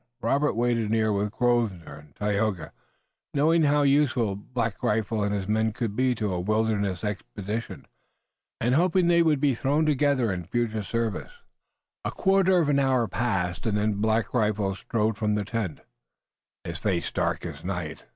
Robert waited near with Grosvenor and Tayoga, knowing how useful Black Rifle and his men could be to a wilderness expedition, and hoping that they would be thrown together in future service. A quarter of an hour passed, and then Black Rifle strode from the tent, his face dark as night.